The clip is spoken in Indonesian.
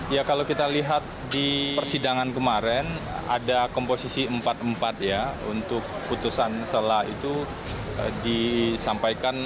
ya kalau kita lihat di persidangan kemarin ada komposisi empat empat ya untuk putusan selah itu disampaikan